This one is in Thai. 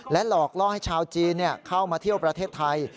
หลอกล่อให้ชาวจีนเข้ามาเที่ยวประเทศไทย